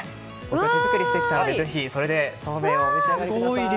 手作りしてきたので、ぜひそれでそうめんをお召し上がりください。